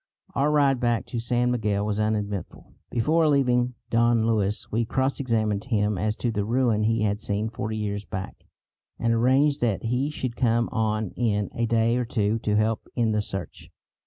Our ride back to San Miguel was uneventful. Before leaving Don Luis we cross examined him as to the ruin he had seen forty years back, and arranged that he should come on in a day or two to help in the search.